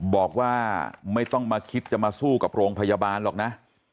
บอกว่าไม่ต้องมาคิดจะมาสู้กับโรงพยาบาลหรอกนะ